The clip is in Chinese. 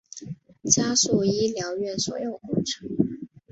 加速医疗院所工程